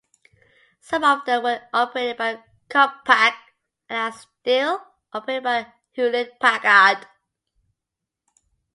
Some of them were operated by Compaq and are still operated by Hewlett-Packard.